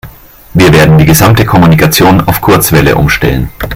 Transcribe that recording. Wir werden die gesamte Kommunikation auf Kurzwelle umstellen.